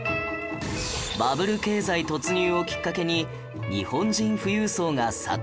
バブル経済突入をきっかけに日本人富裕層が殺到！